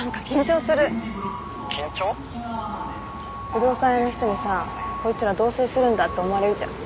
不動産屋の人にさ「こいつら同棲するんだ」って思われるじゃん。